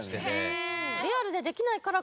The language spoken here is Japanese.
リアルでできないからこそ。